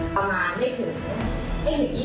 สังมาไม่ถึงยี่สิบนาที